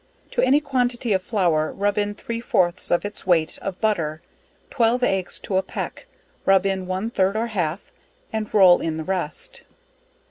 To any quantity of flour, rub in three fourths of it's weight of butter, (twelve eggs to a peck) rub in one third or half, and roll in the rest.